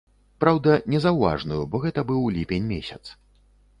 Праўда, незаўважную, бо гэта быў ліпень месяц.